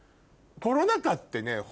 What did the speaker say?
コロナ禍ってね